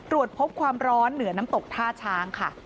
ตรวจพบความร้อนเหนือน้ำตกท่าช้างค่ะ